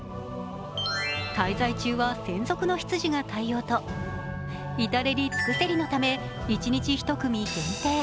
滞在中は専属の執事が対応と、至れり尽くせりのため一日１組限定